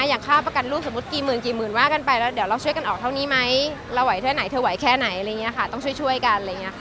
อย่างค่าประกันลูกสมมุติกี่หมื่นกี่หมื่นว่ากันไปแล้วเดี๋ยวเราช่วยกันออกเท่านี้ไหมเราไหวแค่ไหนเธอไหวแค่ไหนอะไรอย่างนี้ค่ะต้องช่วยกันอะไรอย่างนี้ค่ะ